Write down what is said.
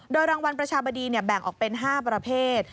รางวัลประชาบดีแบ่งออกเป็น๕ประเภท